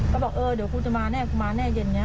เขาบอกเดี๋ยวครูจะมาแน่ครูมาแน่เย็น